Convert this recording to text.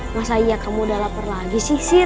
masa iya kamu udah lapar lagi sih